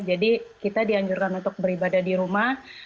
jadi kita dianjurkan untuk beribadah di rumah